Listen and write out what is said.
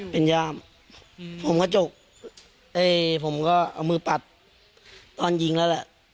ผมก็จบเอ๊ะผมก็เอามือปัดตอนยิงแล้วแหละ